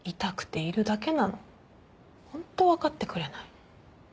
ホント分かってくれない。